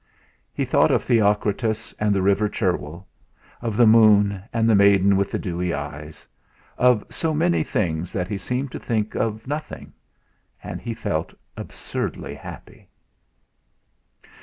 He thought of Theocritus, and the river Cherwell, of the moon, and the maiden with the dewy eyes; of so many things that he seemed to think of nothing; and he felt absurdly happy.